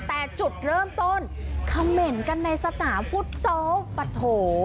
แต่จุดเริ่มต้นคำเหม็นกันในสนามฟุตซอลปะโถ